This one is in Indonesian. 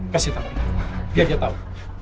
pasien kak dia tau